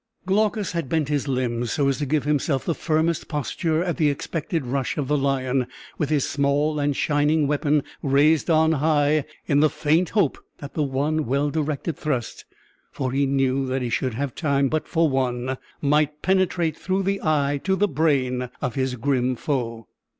Glaucus had bent his limbs so as to give himself the firmest posture at the expected rush of the lion, with his small and shining weapon raised on high, in the faint hope that one well directed thrust (for he knew that he should have time but for one) might penetrate through the eye to the brain of his grim foe.